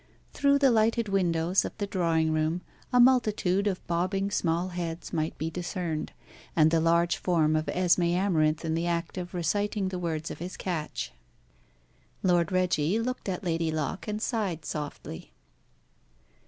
Through the lighted windows of the drawing room a multitude of bobbing small heads might be discerned, and the large form of Esmé Amarinth in the act of reciting the words of his catch. Lord Reggie looked at Lady Locke, and sighed softly.